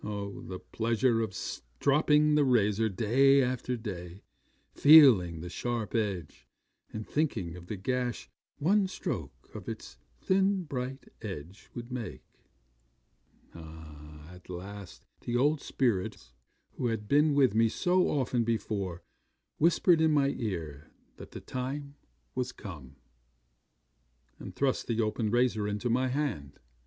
Oh! the pleasure of stropping the razor day after day, feeling the sharp edge, and thinking of the gash one stroke of its thin, bright edge would make! 'At last the old spirits who had been with me so often before whispered in my ear that the time was come, and thrust the open razor into my hand.